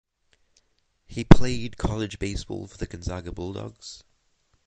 He played college baseball for the Gonzaga Bulldogs.